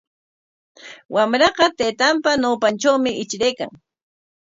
Wamraqa taytanpa ñawpantrawmi ichiraykan.